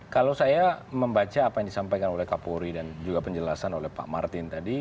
kalau saya membaca apa yang disampaikan oleh kapolri dan juga penjelasan oleh pak martin tadi